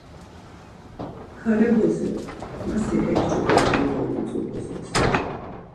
Kale bozo, ma si eǩç̌opare ya utzu bozos.